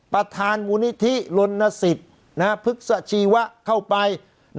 ประธานมูลนิธิลนสิทธิ์พฤกษชีวะเข้าไป